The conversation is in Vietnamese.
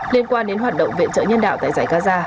liên quan đến hoạt động viện trợ nhân đạo tại giải gaza